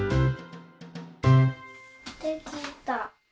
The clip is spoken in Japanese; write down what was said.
できた。